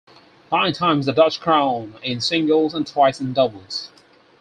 Nine times the Dutch crown in singles and twice in doubles.